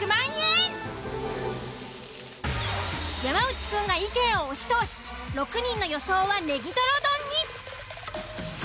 山内くんが意見を押し通し６人の予想はねぎとろ丼に。